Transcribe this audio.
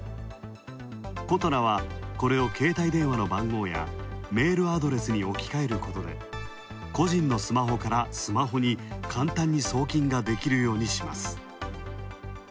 ことらはこれを携帯電話の番号やメールアドレスに置き換えることで個人のスマホからスマホに簡単に送金ができるようにします。